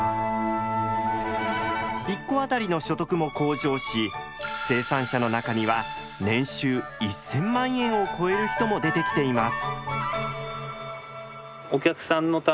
一戸あたりの所得も向上し生産者の中には年収１，０００万円を超える人も出てきています。